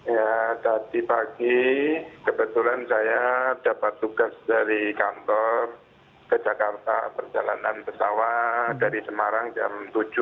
ya tadi pagi kebetulan saya dapat tugas dari kantor ke jakarta perjalanan pesawat dari semarang jam tujuh